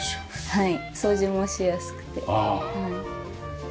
はい。